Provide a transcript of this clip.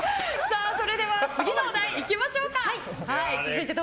それでは次のお題いきましょう。